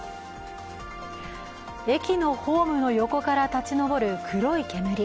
駅のホームの横から立ち上る黒い煙。